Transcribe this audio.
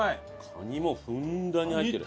カニもふんだんに入ってる。